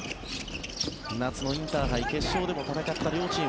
夏のインターハイ決勝でも戦った両チーム。